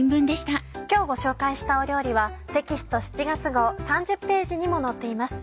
今日ご紹介したお料理はテキスト７月号３０ページにも載っています。